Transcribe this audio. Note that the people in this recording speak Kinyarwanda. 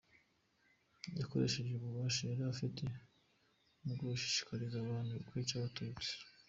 Yakoresheje ububasha yari afite mu gushishikariza abantu kwica Abatutsi.